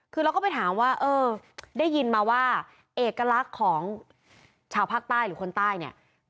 คือเราก็ไปถามว่าเออได้ยินมาว่าเอกลักษณ์ของชาวภาคใต้หรือคนใต้เนี่ย